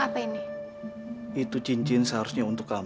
pernah atau tidak